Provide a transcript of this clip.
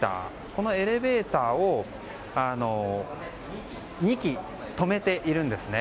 このエレベーターを２基止めているんですね。